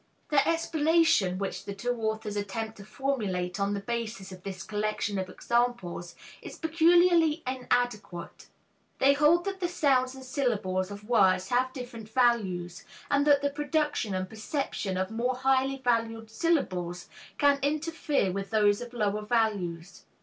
" The explanation which the two authors attempt to formulate on the basis of this collection of examples is peculiarly inadequate. They hold that the sounds and syllables of words have different values, and that the production and perception of more highly valued syllables can interfere with those of lower values.